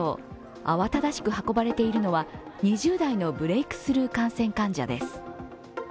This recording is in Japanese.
慌ただしく運ばれているのは２０代のブレークスルー感染患者です。